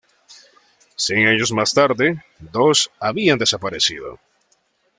Cien años más tarde, dos habían desaparecido.